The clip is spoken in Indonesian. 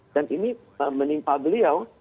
dan ini menimpa beliau